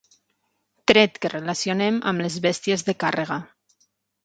Tret que relacionem amb les bèsties de càrrega.